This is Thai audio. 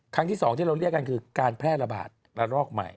ครั้งที่๒ที่เราเรียกกันคือการแพร่ระบาดระลอกใหม่